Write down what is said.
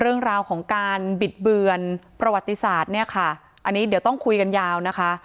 เรื่องราวของการบิดเบือนประวัติศาสตร์เนี่ยค่ะอันนี้เดี๋ยวต้องคุยกันยาวนะคะ